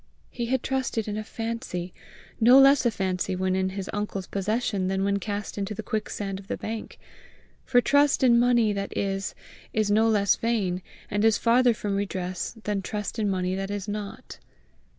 He had trusted in a fancy no less a fancy when in his uncle's possession than when cast into the quicksand of the bank; for trust in money that is, is no less vain, and is farther from redress, than trust in money that is not.